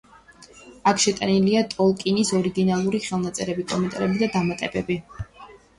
აქ შეტანილია ტოლკინის ორიგინალური ხელნაწერები, კომენტარები და დამატებები.